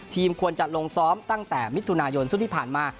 ควรจะลงซ้อมตั้งแต่มิถุนายนซึ่งที่ผ่านมา